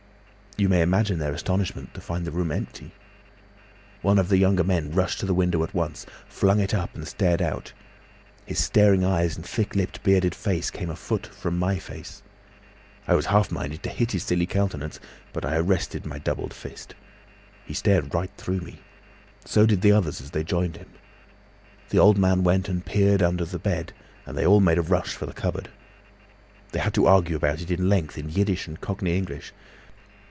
"You may imagine their astonishment to find the room empty. One of the younger men rushed to the window at once, flung it up and stared out. His staring eyes and thick lipped bearded face came a foot from my face. I was half minded to hit his silly countenance, but I arrested my doubled fist. He stared right through me. So did the others as they joined him. The old man went and peered under the bed, and then they all made a rush for the cupboard. They had to argue about it at length in Yiddish and Cockney English.